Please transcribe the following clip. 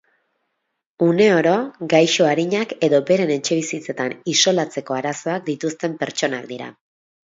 Uneoro gaixo arinak edo beren etxebizitzetan isolatzeko arazoak dituzten pertsonak dira.